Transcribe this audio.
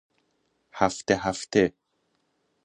هفته هفته